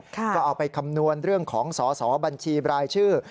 ก็เอาไปคำนวณเรื่องของสอสอบัญชีบรายชื่อ